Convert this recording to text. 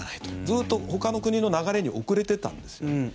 ずっとほかの国の流れに遅れてたんですね。